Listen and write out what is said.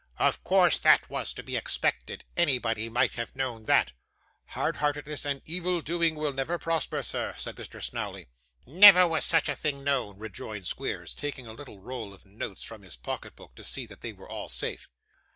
'Of course; that was to be expected. Anybody might have known that.' 'Hard heartedness and evil doing will never prosper, sir,' said Mr Snawley. 'Never was such a thing known,' rejoined Squeers, taking a little roll of notes from his pocket book, to see that they were all safe.